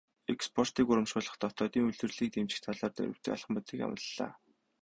Экспортыг урамшуулах, дотоодын үйлдвэрлэлийг дэмжих талаар дорвитой алхмуудыг амлалаа.